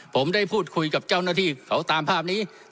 ผมได้พูดคุยกับเจ้าหน้าที่เขาตามภาพนี้